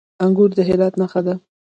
انګور د هرات نښه ده.